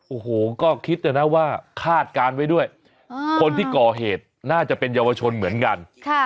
โอ้โหก็คิดนะนะว่าคาดการณ์ไว้ด้วยคนที่ก่อเหตุน่าจะเป็นเยาวชนเหมือนกัน